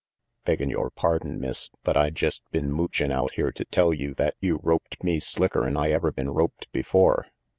Beggin' yore pardon, Miss, but I jest been moochin' out here to tell you that you roped me slicker'n I ever been roped before.